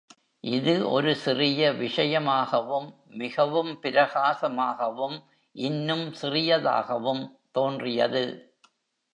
இது ஒரு சிறிய விஷயமாகவும், மிகவும் பிரகாசமாகவும், இன்னும்.சிறியதாகவும் தோன்றியது.